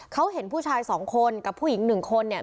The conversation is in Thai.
เขาเห็นผู้ชายสองคนกับผู้หญิง๑คนเนี่ย